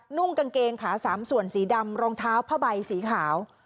นุ่งกางเกงขาสามส่วนสีดำรองเท้าผ้าใบสีขาว